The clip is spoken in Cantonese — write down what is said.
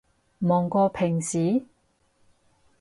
忙過平時？